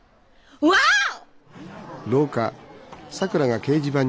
ワオ！